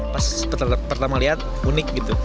pas pertama lihat unik gitu